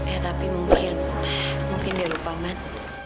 ya tapi mungkin mungkin dia lupa man